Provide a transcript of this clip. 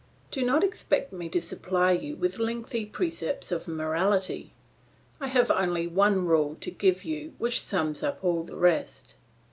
"Do not expect me to supply you with lengthy precepts of morality, I have only one rule to give you which sums up all the rest.